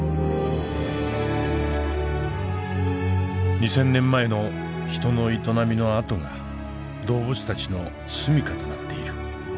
２，０００年前の人の営みの跡が動物たちの住みかとなっている。